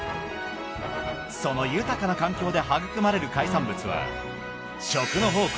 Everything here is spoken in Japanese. その豊かな環境ではぐくまれる海産物は食の宝庫